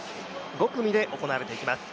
５組で行われていきます。